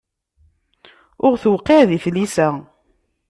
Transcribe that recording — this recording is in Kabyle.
Ur aɣ-tewqiɛ di tlisa.